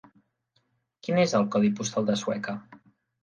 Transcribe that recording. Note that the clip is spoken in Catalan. Quin és el codi postal de Sueca?